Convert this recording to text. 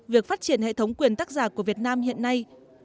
việc phát triển hệ thống quyền tác giả của việt nam hiện nay